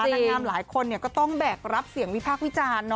นางงามหลายคนก็ต้องแบกรับเสียงวิพากษ์วิจารณ์